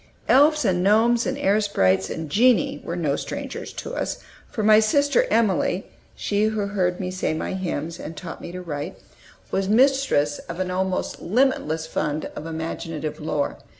Elves and gnomes and air sprites and genii were no strangers to us, for my sister Emilie she who heard me say my hymns, and taught me to write was mistress of an almost limitless fund of imaginative lore.